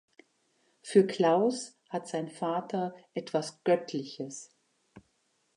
Für Klaus hat sein Vater etwas Göttliches.